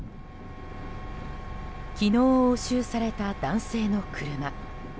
昨日押収された男性の車。